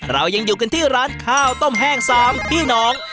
เรายังอยู่กันที่ร้านข้าวต้มแห้ง๓พี่น้อง